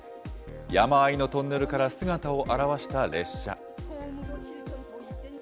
山あいのトンネルから姿を現した列車。